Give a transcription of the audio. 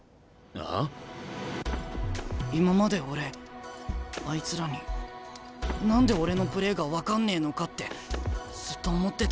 今まで俺あいつらに何で俺のプレーが分かんねえのかってずっと思ってたよ。